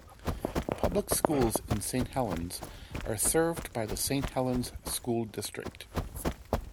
Public schools in Saint Helens are served by the Saint Helens School District.